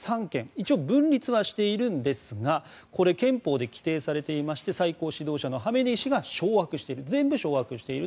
一応分立はしているんですが憲法で規定されていまして最高指導者のハメネイ師が掌握している。